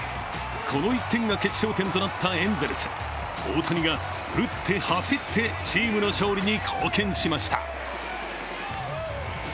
この１点が決勝点となったエンゼルス、大谷が打って走ってチームの勝利に貢献しました。